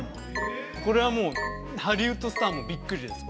◆これはもう、ハリウッドスターもびっくりです。